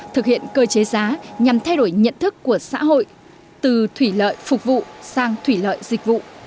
thực hiện cơ chế giá nhằm thay đổi nhận thức của xã hội từ thủy lợi phục vụ sang thủy lợi dịch vụ